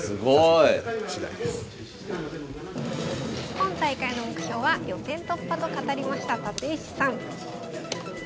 今大会の目標は予選突破と語りました立石さん。